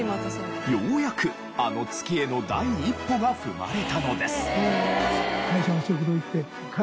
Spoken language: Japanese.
ようやくあの月への第一歩が踏まれたのです。